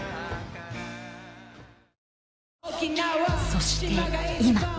そして今。